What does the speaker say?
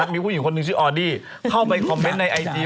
มีคุณหญิงคนหนึ่งชื่อออดี้ข้อมูลในตัวเท่านี้